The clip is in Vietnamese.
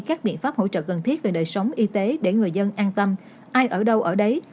các biện pháp hỗ trợ cần thiết về đời sống y tế để người dân an tâm ai ở đâu ở đấy